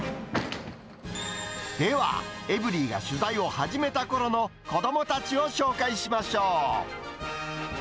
では、エブリィが取材を始めたころの子どもたちを紹介しましょう。